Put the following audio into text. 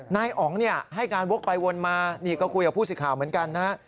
นายอ๋องให้การวกไปวนมานี่ก็คุยกับผู้สิทธิ์ข่าวเหมือนกันนะ